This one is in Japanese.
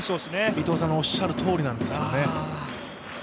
伊藤さんのおっしゃるとおりなんですよね。